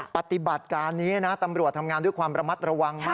ปฏิบัติการนี้นะตำรวจทำงานด้วยความระมัดระวังนะ